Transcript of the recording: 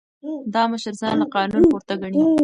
دا مشر ځان له قانون پورته ګڼي.